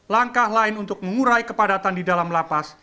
langkah lain untuk mengurai kepadatan di dalam lapas